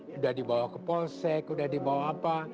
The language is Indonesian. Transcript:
sudah dibawa ke polsek sudah dibawa apa